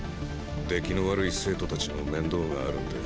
出来の悪い生徒達の面倒があるんで。